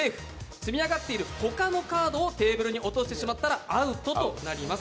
積み上がっている他のカードをテーブルに落としてしまったらアウトとなります。